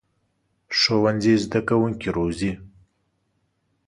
ښوونځی زده کوونکي روزي